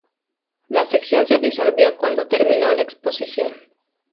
La sección se disolvió cuando terminó la exposición.